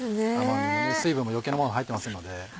水分も余計なもの入ってませんので。